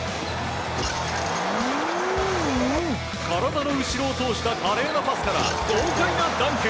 体の後ろを通した華麗なパスから豪快なダンク！